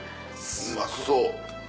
うまそう。